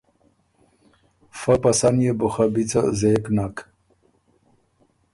فۀ په سَۀ نيې بو خه بی څۀ زېک نک۔